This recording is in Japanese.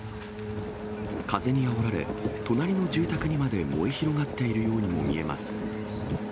風にあおられ、隣の住宅にまで燃え広がっているようにも見えます。